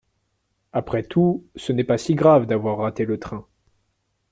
Après tout, ce n'est pas si grave d'avoir râté le train.